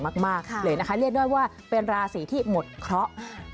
ใช่เลยค่ะ